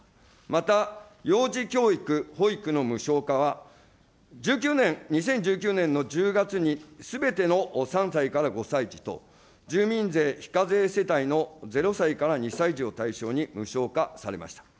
また、幼児教育・保育の無償化は、１９年、２０１９年の月にすべての３歳から５歳児と、住民税非課税世帯の０歳から２歳児を対象に無償化されました。